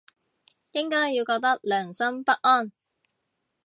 應該要覺得良心不安